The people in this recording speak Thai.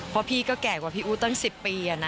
เพราะพี่ก็แก่กว่าพี่อู๋ตั้ง๑๐ปี